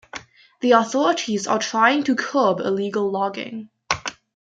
The authorities are trying to curb illegal logging.